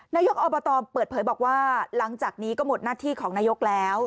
นายกอบตเปิดเผยบอกว่าหลังจากนี้ก็หมดหน้าที่ของนายกแล้ว